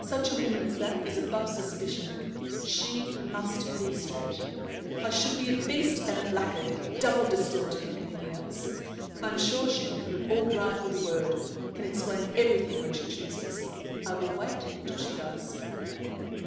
Such a woman as that is above suspicion. She must be straight. I should be a beast and a blackguard double distilled to think anything else. I am sure she can put all right with a word, can explain everything when she chooses. I will wait till she does."